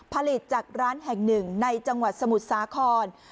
ผลิตจากร้านแห่งหนึ่งในจังหวัดสมุทรสาคร